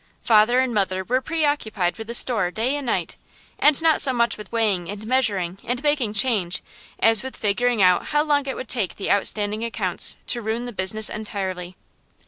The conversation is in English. Father and mother were preoccupied with the store day and night; and not so much with weighing and measuring and making change as with figuring out how long it would take the outstanding accounts to ruin the business entirely.